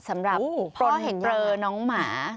สำหรับพ่อเห็นเบอร์น้องหมา